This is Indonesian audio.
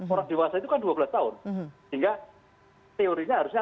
orang dewasa itu kan dua belas tahun sehingga teorinya harusnya